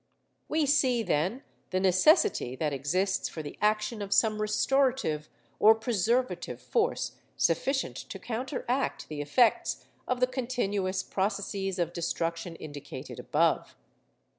We see, then, the necessity that exists for the action of some restorative or preservative force sufficient to counteract the effects of the continuous processes of destruction indicated above.